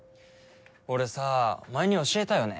俺さ前に教えたよね。